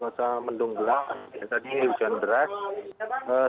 suara mendung gelap tadi hujan berat